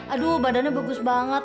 aduh badannya bagus banget